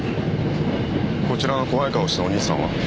こちらの怖い顔したお兄さんは？